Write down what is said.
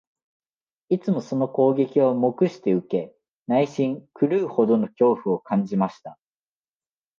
いつもその攻撃を黙して受け、内心、狂うほどの恐怖を感じました